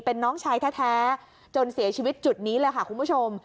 เป็นน้องชายแท้จนเสียชีวิตจุดนี้เลยค่ะคุณผู้ชม